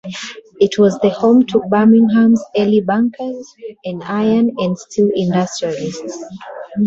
It was the home to Birmingham's early bankers and iron and steel industrialists.